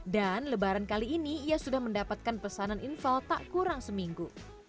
dan lebaran kali ini ia sudah mendapatkan pesanan inval tak kurang seminggu